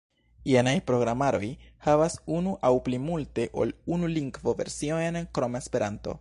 Jenaj programaroj havas unu aŭ plimulte ol unu lingvo-versiojn krom Esperanto.